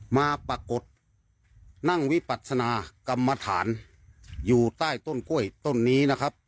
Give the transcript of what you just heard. มาปรากฏนั่งวิปัศนากรรมฐานอยู่ใต้ต้นกล้วยต้นนี้นะครับ